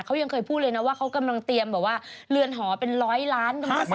เขายังเคยพูดเลยนะว่าเขากำลังเตรียมเหลือนหอเป็นร้อยล้าน